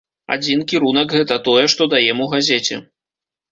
Адзін кірунак гэта тое, што даем у газеце.